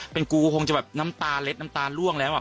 เป็นกูคงจะแบบน้ำตาเล็ดน้ำตาล่วงแล้ว